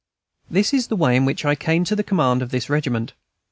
This is the way in which I came to the command of this regiment.